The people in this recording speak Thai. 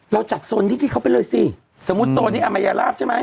เราจัดโซนนี้เข้าไปเลยสิสมมุติโซนนี้อามายาลาฟใช่ไหม